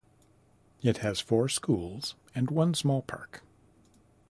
It has four schools and one small park.